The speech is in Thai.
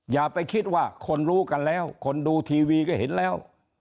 อย่าไปคิดว่าคนรู้กันแล้วคนดูทีวีก็เห็นแล้ว